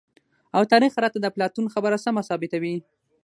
او تاريخ راته د اپلاتون خبره سمه ثابته وي،